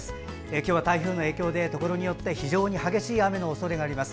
今日は台風の影響でところによって激しい雨の予報もあります。